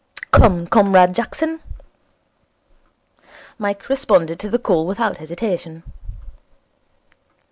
Come, Comrade Jackson.' Mike responded to the call without hesitation.